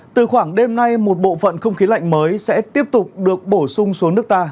từ khoảng đêm nay một bộ phận không khí lạnh mới sẽ tiếp tục được bổ sung xuống nước ta